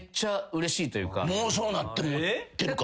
もうそうなってもうてるか。